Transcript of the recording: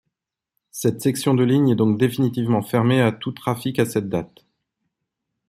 Cette section de ligne est donc définitivement fermée à tout trafic à cette date.